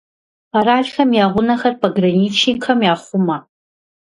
Къэралхэм я гъунэхэр пограничникхэм яхъумэ.